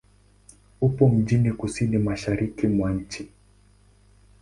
Upo mjini kusini-mashariki mwa nchi.